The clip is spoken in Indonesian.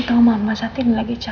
yaudah makasih ya